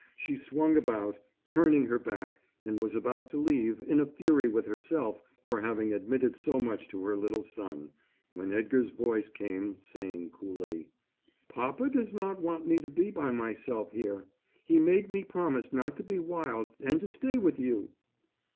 She swung about, turning her back, and was about to leave, in a fury with herself for having admitted so much to her little son, when Edgar's voice came, saying coolly: "Papa does not want me to be by myself here. He made me promise not to be wild, and to stay with you."